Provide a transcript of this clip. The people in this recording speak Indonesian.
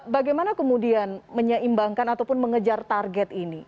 bagaimana kemudian menyeimbangkan ataupun mengejar target ini